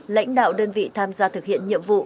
lãnh đạo đơn vị tham gia thực hiện nhiệm vụ